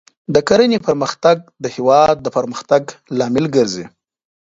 د کرنې پرمختګ د هېواد د پرمختګ لامل ګرځي.